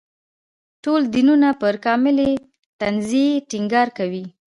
ټول دینونه پر کاملې تنزیې ټینګار کوي.